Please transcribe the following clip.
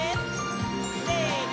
せの！